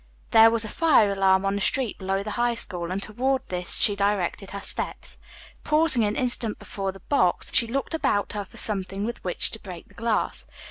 There was a fire alarm on the street below the High School, and toward this she directed her steps. Pausing an instant before the box, she looked about her for something with which to break the glass.